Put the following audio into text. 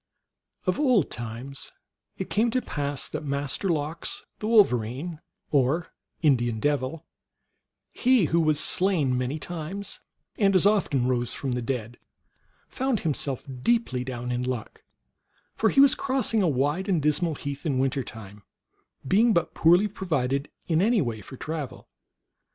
Of old times it came to pass that Master Lox, the Wolverine, or Indian Devil, he who was slain many times and as often rose from the dead, found him self deeply down in luck ; for he was crossing a wide and dismal heath in winter time, being but poorly provided in any way for travel.